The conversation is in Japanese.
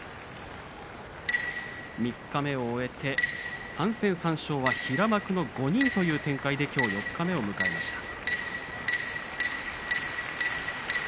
三日目を終えて３戦３勝は平幕の５人という展開できょう四日目を迎えました。